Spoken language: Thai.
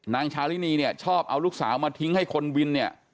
นางชาลินีเนี่ยชอบเอาลูกสาวมาทิ้งให้คนวินเนี่ย